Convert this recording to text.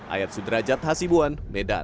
ayat sudrajat hasibuan medan